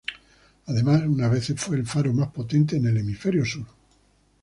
Además una vez fue el faro más potente en el hemisferio sur.